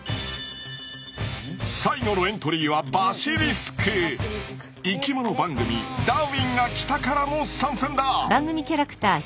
最後のエントリーは生きもの番組「ダーウィンが来た！」からの参戦だ！